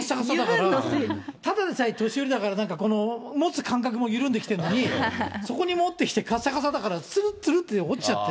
ただでさえ、年寄りだから、持つ感覚も緩んできてるのに、そこにもってきてかさかさだから、つるっつるって落ちちゃって。